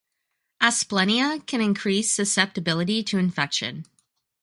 Asplenia can increase susceptibility to infection.